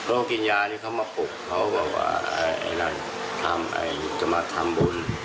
เพราะว่ากินยานี่เขามาปลุกเขาบอกว่าไอ้นั่นจะมาทำบุญ